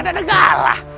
nggak nggak nggak lah